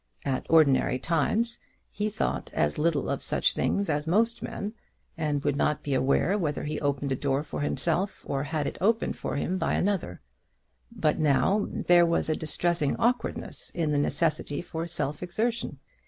At ordinary times he thought as little of such things as most men, and would not be aware whether he opened a door for himself or had it opened for him by another; but now there was a distressing awkwardness in the necessity for self exertion.